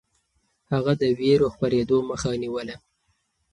هغه د وېرو خپرېدو مخه نيوله.